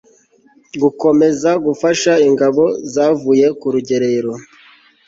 gukomeza gufasha ingabo zavuye ku rugererero